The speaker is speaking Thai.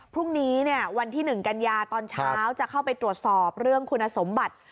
พรุ่งนี้วันที่๑กันยาตอนเช้าจะเข้าไปตรวจสอบเรื่องคุณสมบัติ